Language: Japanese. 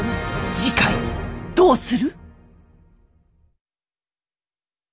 次回どうする？